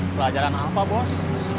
pelajaran apa bos